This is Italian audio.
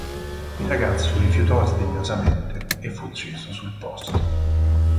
Il ragazzo rifiutò sdegnosamente e fu ucciso sul posto.